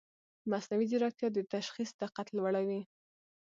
مصنوعي ځیرکتیا د تشخیص دقت لوړوي.